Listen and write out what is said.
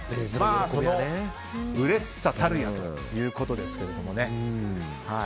そのうれしさたるやということですけれどもね。